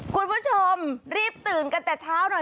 คุณผู้ชมรีบตื่นกันแต่เช้าหน่อย